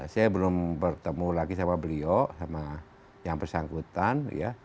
saya belum bertemu lagi sama beliau sama yang bersangkutan